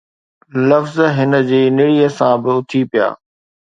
لفظ هن جي نڙيءَ سان به الٽي پيا